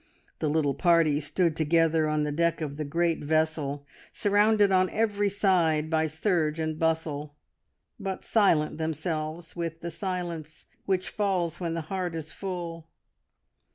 The little party stood together on the deck of the great vessel, surrounded on every side by surge and bustle, but silent themselves with the silence which falls when the heart is full.